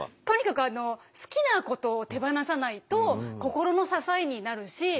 とにかくあの好きなことを手放さないと心の支えになるし